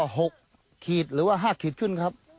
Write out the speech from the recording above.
หกขีดหรือว่าห้าขีดขึ้นครับ